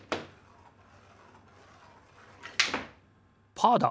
パーだ！